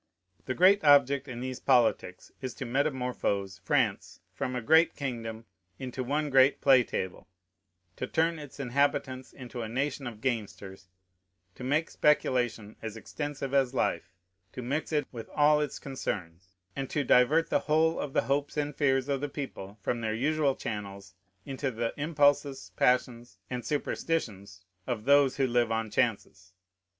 The great object in these politics is to metamorphose France from a great kingdom into one great play table, to turn its inhabitants into a nation of gamesters, to make speculation as extensive as life, to mix it with all its concerns, and to divert the whole of the hopes and fears of the people from their usual channels into the impulses, passions, and superstitions of those who live on chances.